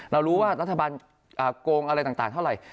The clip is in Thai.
เรารู้ว่ารัฐบาลโกงอะไรต่างเท่าไหร่